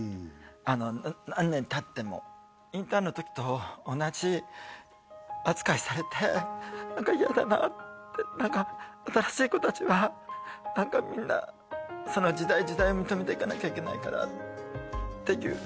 あの何年たってもインターンの時と同じ扱いされて何か嫌だなって何か新しい子達は何かみんなその時代時代認めていかなきゃいけないからっていう